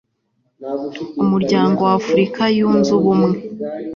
umuryango w'afurika yunze ubumwe